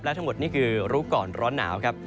และทั้งหมดนี่คือรู้ก่อนร้อนหนาวครับ